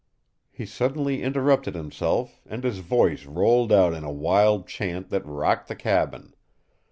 He suddenly interrupted himself, and his voice rolled out in a wild chant that rocked the cabin.